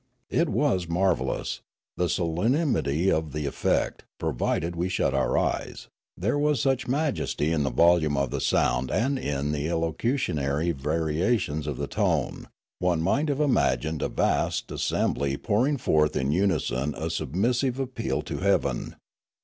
It was marvellous, the solemnity of the effect, provided we shut our eyes ; there was such majesty in the volume of the sound and in the elocutionary varia tions of the tone ; one might have imagined a vast as sembly pouring forth in unison a submissive appeal to heaven.